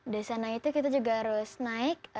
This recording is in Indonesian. di sana itu kita juga harus naik